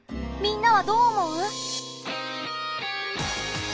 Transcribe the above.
みんなはどう思う？